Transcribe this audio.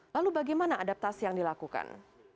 lalu bagaimana adaptasi yang dilakukan